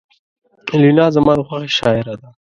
لینا زما د خوښې شاعره ده